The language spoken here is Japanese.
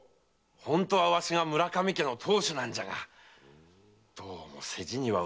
本当はわしが村上家の当主なんじゃがどうも世事には疎くてな。